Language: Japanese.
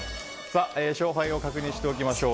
勝敗を確認しておきましょう。